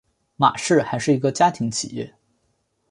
玛氏还是一个家庭企业。